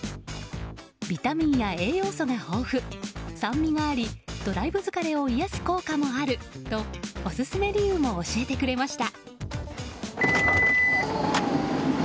ビタミンや栄養素が豊富酸味がありドライブ疲れを癒やす効果もあるとオススメ理由も教えてくれました。